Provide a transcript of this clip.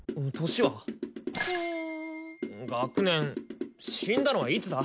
しーん学年死んだのはいつだ？